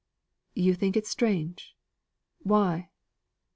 "You think it strange. Why?"